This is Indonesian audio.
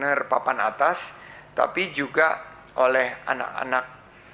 dari papan atas tapi juga oleh anak anak